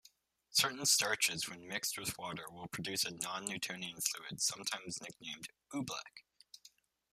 Certain starches, when mixed with water, will produce a non-newtonian fluid sometimes nicknamed "oobleck".